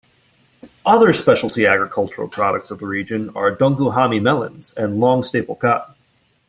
Other specialty agricultural products of the region are Donghu Hami melons and long-staple cotton.